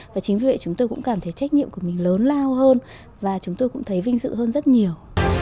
và chính vì vậy chúng tôi cũng cảm thấy trách nhiệm của mình lớn lao hơn và chúng tôi cũng thấy vinh dự hơn rất nhiều